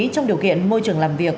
trong điều kiện môi trường làm việc